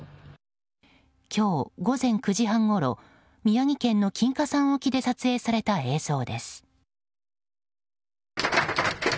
今日午前９時半ごろ宮城県の金華山沖で撮影された映像です。